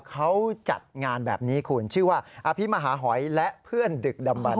เขาจัดงานแบบนี้คุณชื่อว่าอภิมหาหอยและเพื่อนดึกดำบัน